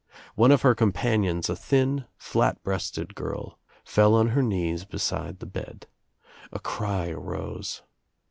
One of her companions, a thin, flat breasted girl fell on her knees beside the bed. A cry arose.